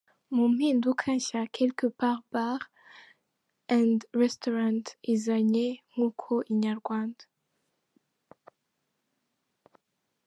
Mu mpinduka nshya Quelque part bar and Restaurant izanye nkuko Inyarwanda.